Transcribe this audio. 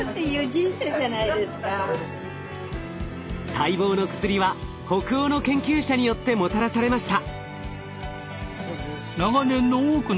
待望の薬は北欧の研究者によってもたらされました。